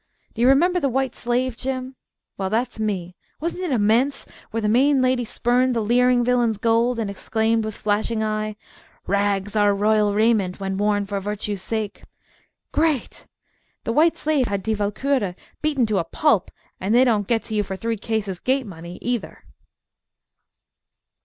Do you remember The White Slave, Jim? Well, that's me. Wasn't it immense where the main lady spurned the leering villain's gold and exclaimed with flashing eye, "Rags are royal raiment when worn for virtue's sake." Great! The White Slave had Die Walkure beaten to a pulp, and they don't get to you for three cases gate money, either.